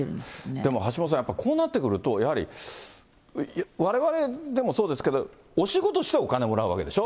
でも橋下さん、やっぱりこうなってくると、やはり、われわれでもそうですけど、お仕事してお金もらうわけでしょ。